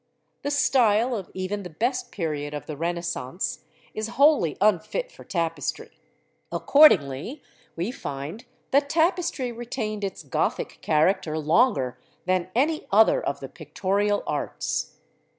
The style of even the best period of the Renaissance is wholly unfit for Tapestry: accordingly we find that Tapestry retained its Gothic character longer than any other of the pictorial arts.